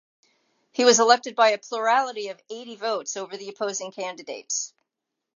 He was elected by a plurality of eighty votes over the opposing candidates.